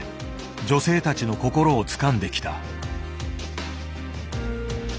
女性たちの心をつかんできた。